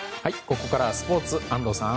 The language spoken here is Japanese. ここからはスポーツ安藤さん。